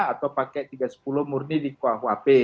atau pakai tiga sepuluh murni di qahuap